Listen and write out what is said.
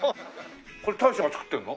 これ大将が作ってるの？